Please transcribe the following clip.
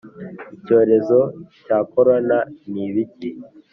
icyorezo cya corona ni kibi